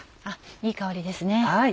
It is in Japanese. いい香りですね。